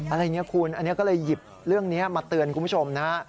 อะไรอย่างนี้คุณอันนี้ก็เลยหยิบเรื่องนี้มาเตือนคุณผู้ชมนะฮะ